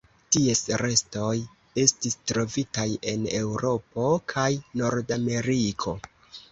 Ties restoj estis trovitaj en Eŭropo kaj Nordameriko.